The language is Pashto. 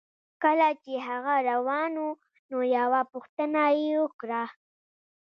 کله چې هغه روان و نو یوه پوښتنه یې وکړه